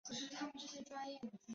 阿田和站纪势本线的铁路车站。